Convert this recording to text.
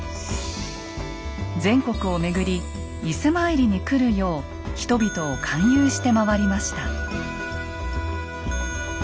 全国を巡り伊勢参りに来るよう人々を勧誘して回りました。